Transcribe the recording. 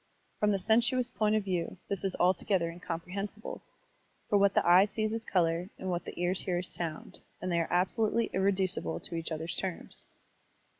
From the sensuous point of view, this is altogether incomprehensible, for what the eye sees is color and what the ears hear is sotmd, and they are absolutely irreducible to each other's terms.